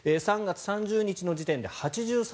３月３０日の時点で８３％。